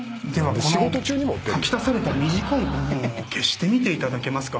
この書き足された短い部分を消してみていただけますか。